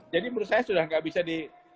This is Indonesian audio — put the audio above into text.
jadi menurut saya sudah nggak bisa di